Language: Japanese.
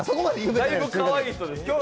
だいぶかわいい人ですけど。